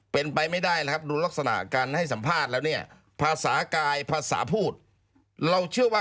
เป็นไปไม่ได้เลยครับ